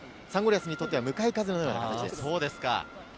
リアスにとっては向かい風のような形です。